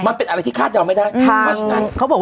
มันเป็นอะไรที่คาดดาวไม่ได้